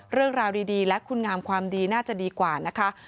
เรื่องราวดีและคุณงามความดีน่าจะดีกว่านะคะ